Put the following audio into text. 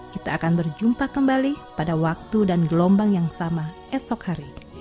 kita akan berjumpa kembali pada waktu dan gelombang yang sama esok hari